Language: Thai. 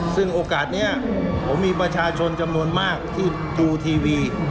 ซึ่งโอกาสนี้ผมมีประชาชนจำนวนมากที่ดูทีวี